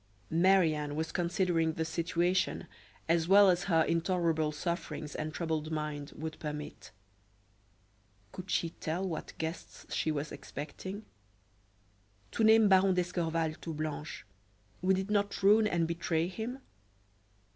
Marie Anne was considering the situation as well as her intolerable sufferings and troubled mind would permit. Could she tell what guests she was expecting? To name Baron d'Escorval to Blanche, would it not ruin and betray him?